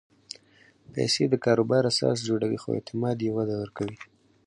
پېسې د کاروبار اساس جوړوي، خو اعتماد یې وده ورکوي.